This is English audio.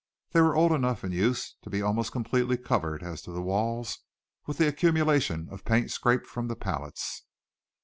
They were old enough in use to be almost completely covered, as to the walls, with the accumulation of paint scraped from the palettes.